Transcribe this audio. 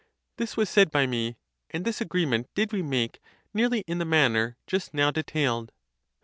This was said (by me), and this agreement did we make nearly in the manner just now detailed.